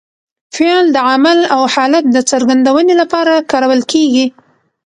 فعل د عمل او حالت د څرګندوني له پاره کارول کېږي.